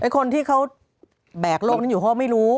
คนที่เขาแบกโลกนั้นอยู่เขาไม่รู้